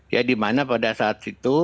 ya dimana pada saat itu